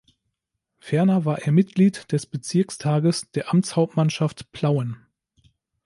Ferner war er Mitglied des Bezirkstages der Amtshauptmannschaft Plauen.